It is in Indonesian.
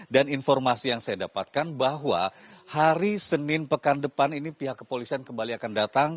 dan informasi yang saya dapatkan bahwa hari senin pekan depan ini pihak kepolisian kembali akan datang